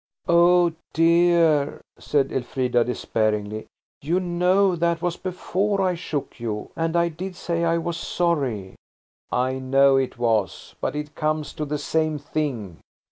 "Oh, dear," said Elfrida despairingly. "You know that was before I shook you, and I did say I was sorry." "I know it was, but it comes to the same thing.